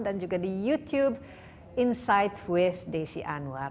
dan juga di youtube insight with desy anwar